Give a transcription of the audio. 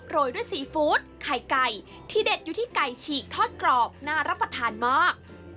โรยด้วยซีฟู้ดไข่ไก่ที่เด็ดอยู่ที่ไก่ฉีกทอดกรอบน่ารับประทานมาก